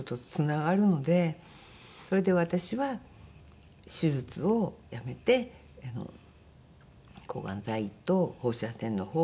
それで私は手術をやめて抗がん剤と放射線の方を選びました。